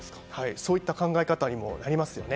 そういった考え方にもなりますよね。